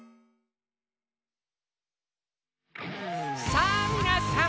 さぁみなさん！